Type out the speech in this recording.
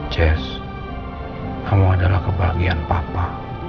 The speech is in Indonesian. jazz kamu adalah kebahagiaan papa